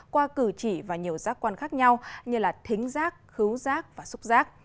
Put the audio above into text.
qua cử chỉ và nhiều giác quan khác nhau như thính giác khứu giác và xúc giác